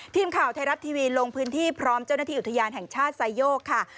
ทีมข่าวไทยรัฐทีวีลงพื้นที่พร้อมเจ้าหน้าที่อุทยานแห่งชาติไซโยกค่ะ